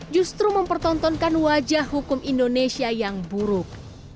justru mempertontonkan wajah hukum indonesia yang buruk